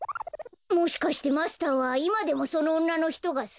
もしかしてマスターはいまでもそのおんなのひとがすきなの？